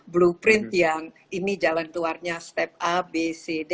blueprint yang ini jalan keluarnya step a b c d